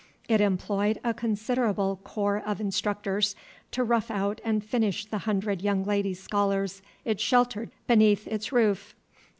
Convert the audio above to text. It employed a considerable corps of instructors to rough out and finish the hundred young lady scholars it sheltered beneath its roof.